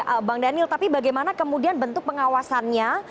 oke bang daniel tapi bagaimana kemudian bentuk pengawasannya